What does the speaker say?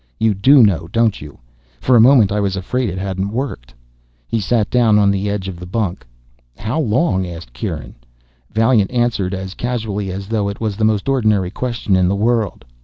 "You do know, don't you? For a moment I was afraid it hadn't worked." He sat down on the edge of the bunk. "How long?" asked Kieran. Vaillant answered as casually as though it was the most ordinary question in the world.